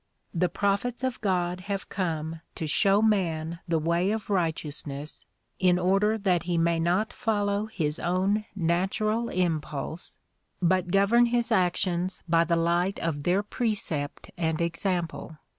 The prophets of (iod have come to show man the way of righteousness in order that he may not follow his own natural impulse, but govern his 38 THE PROMULGATION OF UNIVERSAL PEACE actions by the light of their precept and example.